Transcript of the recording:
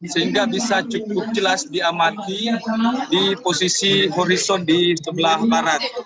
sehingga bisa cukup jelas diamati di posisi horizone di sebelah barat